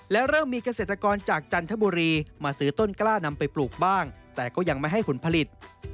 และเริ่มมีเกษตรกรจากจันทบุรีมาซื้อต้นกล้านำไปปลูกบ้างแต่ก็ยังไม่ให้ผลผลิต